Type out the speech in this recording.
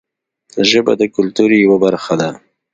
ژبه د کلتور یوه برخه ده